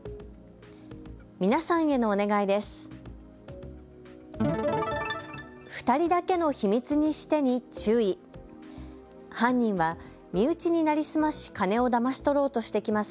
皆さんへのお願いです。